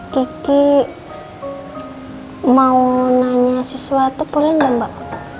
kiki mau nanya sesuatu boleh nggak mbak